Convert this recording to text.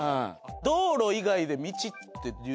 「道路」以外で道っていうのはどう？